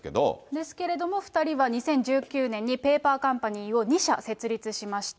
ですけれども、２人は２０１９年にペーパーカンパニーを２社設立しました。